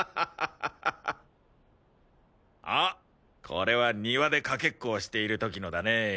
これは庭でかけっこをしている時のだね。